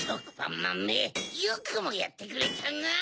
まんめよくもやってくれたな！